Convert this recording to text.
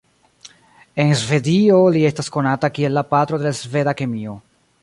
En Svedio li estas konata kiel la patro de la sveda kemio.